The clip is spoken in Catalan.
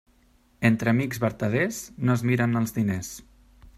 Entre amics vertaders no es miren els diners.